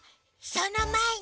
そのまえに。